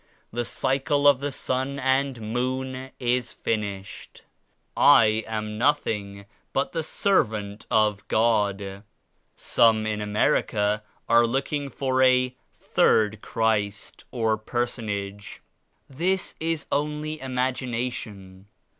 The Cycle of the Sun and Moon is finished. I am nothing but the Servant of God. Some in America are looking for a 'third Christ' or personage. This 86 is only imagination.